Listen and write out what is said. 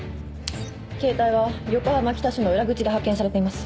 ケータイは横浜北署の裏口で発見されています。